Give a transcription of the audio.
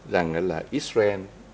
rằng là israel